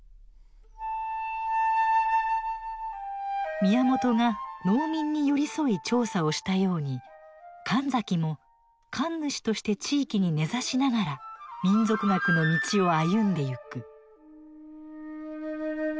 宮本が農民に寄り添い調査をしたように神崎も神主として地域に根ざしながら民俗学の道を歩んでゆく。